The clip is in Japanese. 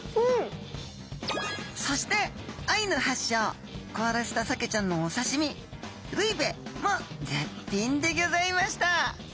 そしてアイヌはっしょうこおらせたサケちゃんのおさしみルイペも絶品でギョざいました！